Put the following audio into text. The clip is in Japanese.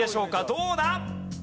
どうだ？